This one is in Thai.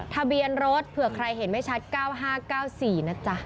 ทะเบียนรถเผื่อใครเห็นไม่ชัด๙๕๙๔นะจ๊ะ